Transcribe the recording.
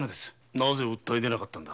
なぜ訴え出なかったのだ？